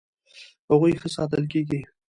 هغوی ښه ساتل کیږي.